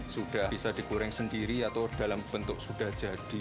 sudah bisa digoreng sendiri atau dalam bentuk sudah jadi